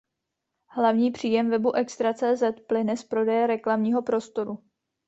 Hlavní příjem webu Extra.cz plyne z prodeje reklamního prostoru.